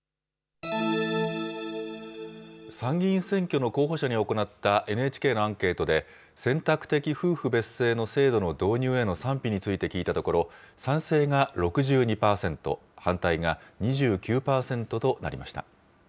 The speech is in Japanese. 参議院選挙の候補者に行ったＮＨＫのアンケートで、選択的夫婦別姓の制度の導入への賛否について聞いたところ、賛成が６２％、反対が２９％となりました。